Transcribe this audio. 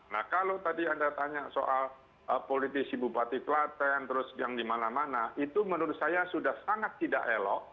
nah kalau tadi anda tanya soal politisi bupati klaten terus yang dimana mana itu menurut saya sudah sangat tidak elok